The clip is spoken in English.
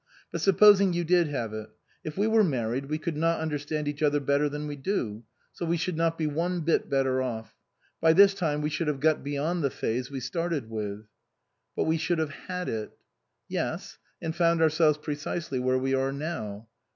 But supposing you did have it ; if we were married we could not understand each other better than we do ; so we should not be one bit better off. By this time we should have got beyond the phase we started with "" But we should have had it "" Yes ; and found ourselves precisely where we are now."